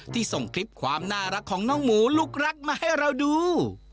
ส่งคลิปความน่ารักของน้องหมูลูกรักมาให้เราดู